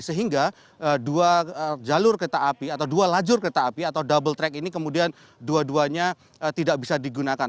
sehingga dua jalur kereta api atau dua lajur kereta api atau double track ini kemudian dua duanya tidak bisa digunakan